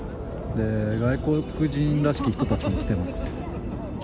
外国人らしき人たちも来てます。